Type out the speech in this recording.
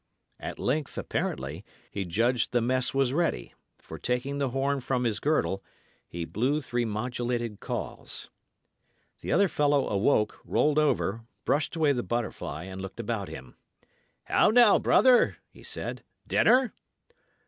At length, apparently, he judged the mess was ready; for taking the horn from his girdle, he blew three modulated calls. The other fellow awoke, rolled over, brushed away the butterfly, and looked about him. "How now, brother?" he said. "Dinner?"